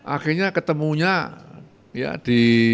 akhirnya ketemunya ya di